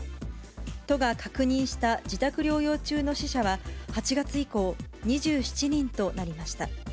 都が確認した自宅療養中の死者は、８月以降、２７人となりました。